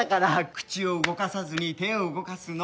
口を動かさずに手を動かすの。